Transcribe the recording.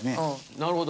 なるほど。